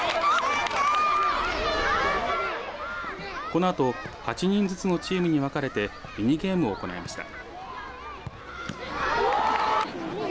このあと８人ずつのチームに分かれてミニゲームを行いました。